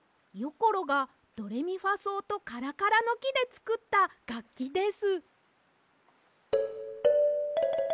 ころがドレミファそうとカラカラのきでつくったがっきです。